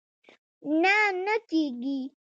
نه، نه کېږي